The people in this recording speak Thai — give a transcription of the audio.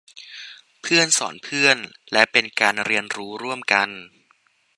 เพื่อนสอนเพื่อน และเป็นการเรียนรู้ร่วมกัน